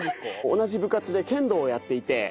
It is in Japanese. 同じ部活で剣道をやっていて。